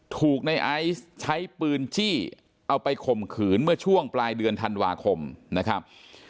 ถูกในไอซ์ใช้ปืนจี้เอาไปข่มขืนเมื่อช่วงปลายเดือนธันวาคมนะครับ